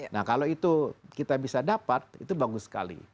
nah kalau itu kita bisa dapat itu bagus sekali